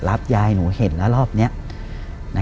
รับยายหนูเห็นแล้วรอบนี้